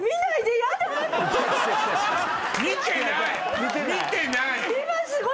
見てない！